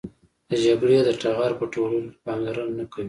د جګړې د ټغر په ټولولو کې پاملرنه نه کوي.